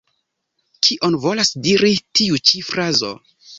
Kion volas diri tiu ĉi frazo?